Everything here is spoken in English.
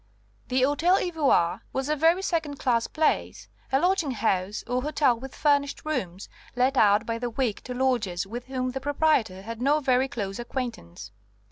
The Hôtel Ivoire was a very second class place, a lodging house, or hotel with furnished rooms let out by the week to lodgers with whom the proprietor had no very close acquaintance.